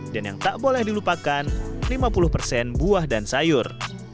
dan yang tak boleh dilupakan lima puluh buah dan sayur